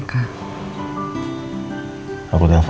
yuk yuk yuk